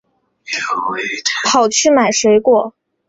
跑去买水果